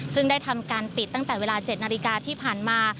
ซึ่งได้ทำการปิดตั้งแต่เวลา๗นาฬิกาที่ผ่านมา